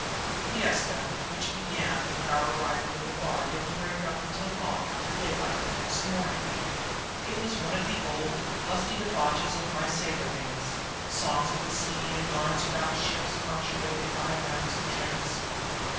The fiesta which began with our arrival in the bar didn't break up until long after daylight the next morning. It was one of the old, lusty debauches of my sailor days songs of the sea and yarns about ships punctuated by rounds of drinks.